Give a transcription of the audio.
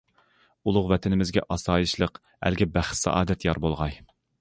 ئۇلۇغ ۋەتىنىمىزگە ئاسايىشلىق، ئەلگە بەخت- سائادەت يار بولغاي!